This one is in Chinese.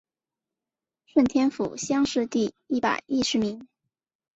顺天府乡试第一百十一名。